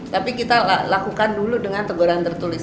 tapi kita lakukan dulu dengan teguran tertulis